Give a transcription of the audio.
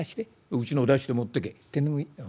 「うちのを出して持ってけ」。